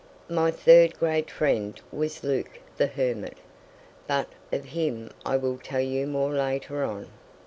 My third great friend was Luke the Hermit. But of him I will tell you more later on.